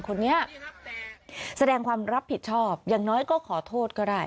คนนี้แสดงความรับผิดชอบอย่างน้อยก็ขอโทษก็ได้